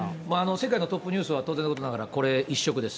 世界のトップニュースは当然のことながら、これ一色です。